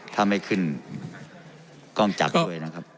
ถ้าไม่ขึ้นกล้องจักรด้วยนะครับ